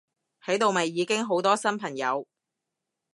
喺度咪已經好多新朋友！